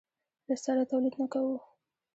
له سره تولید نه کوو.